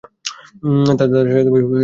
তার চাচাতো ভাই জুন মাসে মৃত্যুবরণ করে।